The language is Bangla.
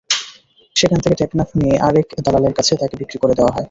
সেখান থেকে টেকনাফ নিয়ে আরেক দালালের কাছে তাঁকে বিক্রি করে দেওয়া হয়।